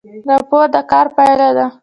راپور د کار پایله ده